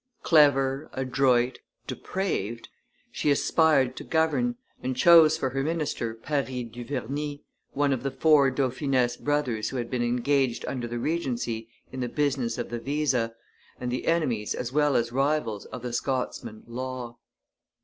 Clever, adroit, depraved, she aspired to govern, and chose for her minister Paris Duverney, one of the four Dauphinese brothers who had been engaged under the regency in the business of the visa, and the enemies as well as rivals of the Scotsman Law.